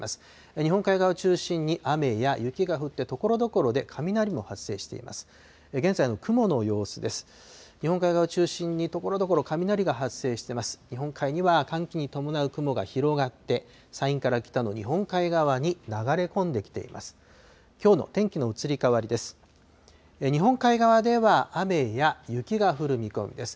日本海には寒気に伴う雲が広がって、山陰から北の日本海側に流れ込んできています。